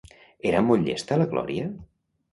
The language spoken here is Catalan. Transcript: Era molt llesta la Glòria?